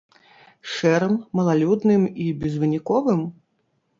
Шэрым, малалюдным і безвыніковым?